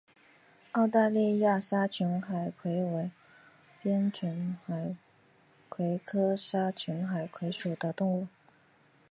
澳大利亚沙群海葵为鞘群海葵科沙群海葵属的动物。